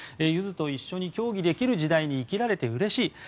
ユヅと一緒に競技できる時代に生きられてうれしい。